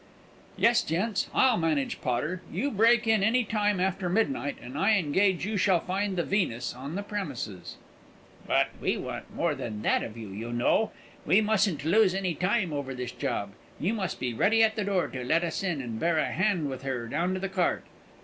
"Yes, gents, I'll manage Potter. You break in any time after midnight, and I engage you shall find the Venus on the premises." "But we want more than that of you, you know. We mustn't lose any time over this job. You must be ready at the door to let us in, and bear a hand with her down to the cart."